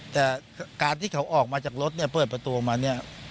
แต่การที่เขาออกมาจากรถเนี่ยเปิดประตูออกมาเนี่ย